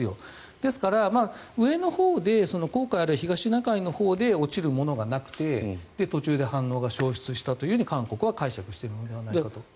ですから、上のほうで黄海あるいは東シナ海のほうで落ちるものがなくて途中で反応が消失したと韓国は解釈しているのではないかと。